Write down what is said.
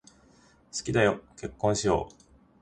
好きだよ、結婚しよう。